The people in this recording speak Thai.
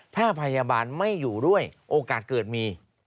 ถ้าพยาบาลไม่อยู่ด้วยโอกาสเกิดมี